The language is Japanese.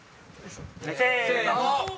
せの！